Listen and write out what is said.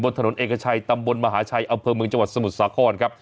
ถนนเอกชัยตำบลมหาชัยอำเภอเมืองจังหวัดสมุทรสาครครับ